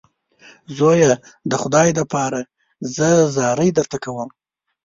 زویه د خدای دپاره زه زارۍ درته کوم.